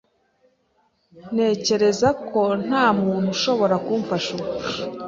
Ntekereza ko nta muntu ushobora kumfasha ubu